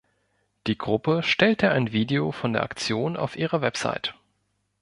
Die Gruppe stellte ein Video von der Aktion auf ihre Website.